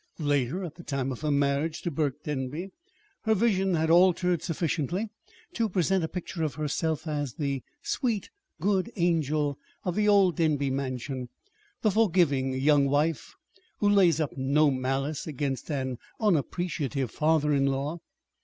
Later, at the time of her marriage to Burke Denby, her vision had altered sufficiently to present a picture of herself as the sweet good angel of the old Denby Mansion, the forgiving young wife who lays up no malice against an unappreciative father in law.